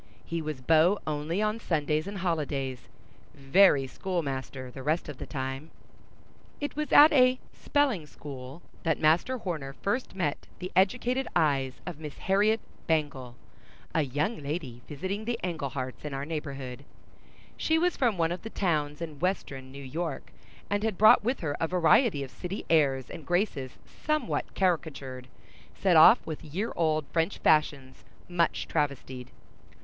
He was beau only on Sundays and holidays; very schoolmaster the rest of the time. It was at a "spelling school" that Master Horner first met the educated eyes of Miss Harriet Bangle, a young lady visiting the Engleharts in our neighborhood. She was from one of the towns in Western New York, and had brought with her a variety of city airs and graces somewhat caricatured, set off with year old French fashions much travestied.